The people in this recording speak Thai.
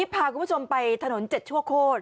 พาคุณผู้ชมไปถนน๗ชั่วโคตร